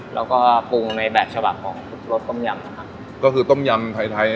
แล้วก็ปรุงในแบบฉบับของรสต้มยำนะครับก็คือต้มยำไทยไทย